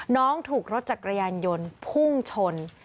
น้องถูกรถจักรยานยนต์พุ่งชน